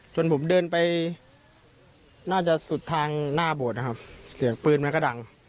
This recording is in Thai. จนผมเดินไปน่าจะสุดทางหน้าโบสถ์นะครับเสียงปืนมันก็ดัง